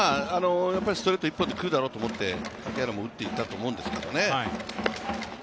ストレートでくるだろうと思って打ってきたと思うんですけどね。